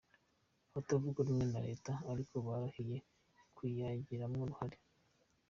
Abatavuga rumwe na reta ariko, barahiye kuyagiramwo uruhara.